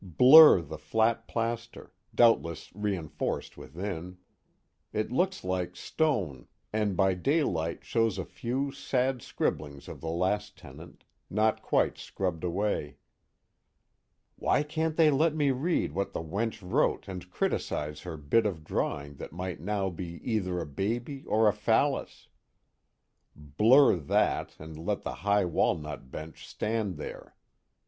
Blur the flat plaster, doubtless reinforced within; it looks like stone and by daylight shows a few sad scribblings of the last tenant, not quite scrubbed away: _Why can't they let me read what the wench wrote and criticize her bit of a drawing that might now be either a baby or a phallus?_ blur that, and let the high walnut bench stand there.